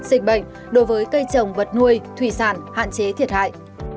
dịch bệnh đối với cây trồng vật nuôi thủy sản hạn chế thiệt hại